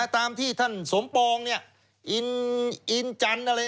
ตามที่ท่านสมปองเนี่ยอินจันทร์อะไรเนี่ย